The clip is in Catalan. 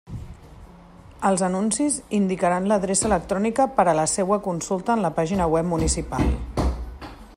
Els anuncis indicaran l'adreça electrònica per a la seua consulta en la pàgina web municipal.